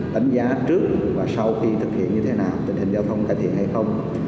đánh giá trước và sau khi thực hiện như thế nào tình hình giao thông cải thiện hay không